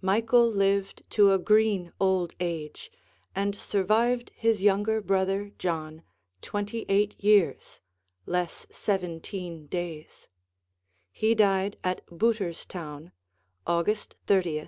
Michael lived to a green old age, and survived his younger brother John twenty eight years, less seventeen days; he died at Booterstown, August 30th, 1874.